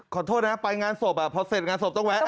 ขอโทษนะไปงานศพพอเสร็จงานศพต้องแวะ